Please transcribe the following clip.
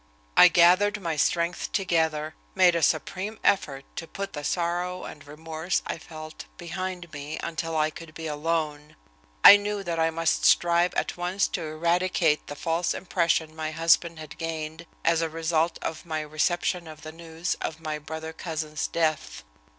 I gathered my strength together, made a supreme effort to put the sorrow and remorse I felt behind me until I could be alone. I knew that I must strive at once to eradicate the false impression my husband had gained as a result of my reception of the news of my brother cousin's death.